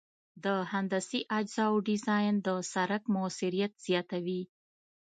د هندسي اجزاوو ډیزاین د سرک موثریت زیاتوي